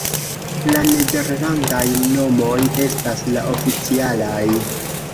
La nederlandaj nomoj estas la oficialaj.